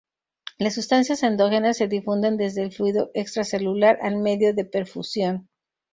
Las sustancias endógenas se difunden desde el fluido extracelular al medio de perfusión.